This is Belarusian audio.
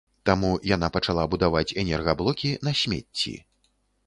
Таму яна пачала будаваць энергаблокі на смецці.